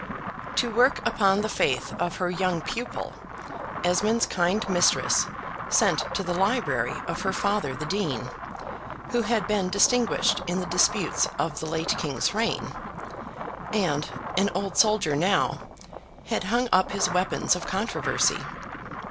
To work upon the faith of her young pupil, Esmond's kind mistress sent to the library of her father the Dean, who had been distinguished in the disputes of the late king's reign; and, an old soldier now, had hung up his weapons of controversy.